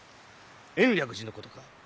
延暦寺のことか？